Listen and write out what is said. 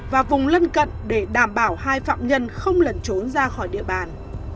và vùng lân cận để đảm bảo hai phạm nhân không lẩn trốn ra khỏi địa bàn